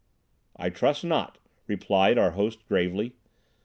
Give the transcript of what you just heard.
"I trust not," replied our host gravely.